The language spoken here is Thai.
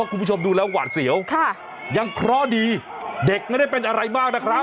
คุณผู้ชมดูแล้วหวาดเสียวค่ะยังเคราะห์ดีเด็กไม่ได้เป็นอะไรมากนะครับ